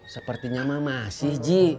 sepertinya mama sih ji